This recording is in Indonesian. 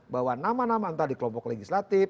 bahwa nama nama entah di kelompok legislatif